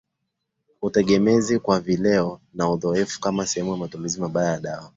utegemezi kwa vileo na uzoevu kama sehemu ya matumizi mabaya ya dawa